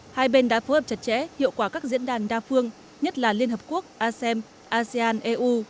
hai bên đã phối hợp chặt chẽ hiệu quả các diễn đàn đa phương nhất là liên hợp quốc asem asean eu